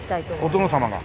お殿様だ。